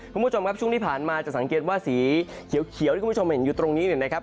คุณผู้ชมครับช่วงที่ผ่านมาจะสังเกตว่าสีเขียวที่คุณผู้ชมเห็นอยู่ตรงนี้เนี่ยนะครับ